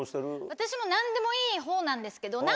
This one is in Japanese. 私も何でもいいほうなんですけど。